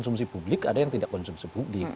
ada yang konsumsi publik ada yang tidak konsumsi publik